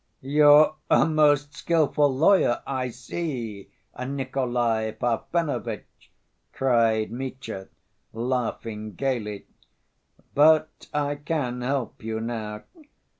"You're a most skillful lawyer, I see, Nikolay Parfenovitch," cried Mitya, laughing gayly, "but I can help you now.